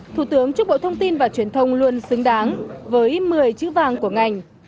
thủ tướng chúc bộ thông tin và truyền thông luôn xứng đáng với một mươi chữ vàng của ngành